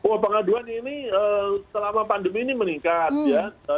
oh pengaduan ini selama pandemi ini meningkat ya